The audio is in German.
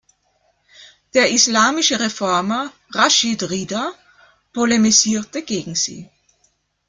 Der islamische Reformer Raschid Rida polemisierte gegen sie.